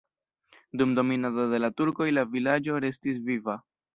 Dum dominado de la turkoj la vilaĝo restis viva.